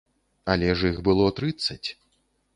Але ж іх было трыццаць.